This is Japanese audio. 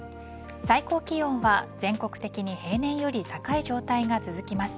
最高気温は全国的に平年より高い状態が続きます。